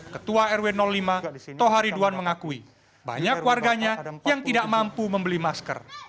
ketua rw lima tohariduan mengakui banyak warganya yang tidak mampu membeli masker